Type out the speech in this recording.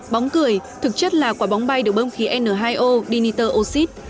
bóng cười thực chất là quả bóng bay được bơm khí n hai o dinitroxid